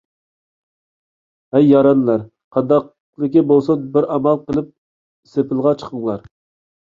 ھەي يارەنلەر! قانداقلىكى بولسۇن بىر ئامال قىلىپ سېپىلغا چىقىڭلار.